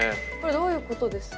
どういうことですか？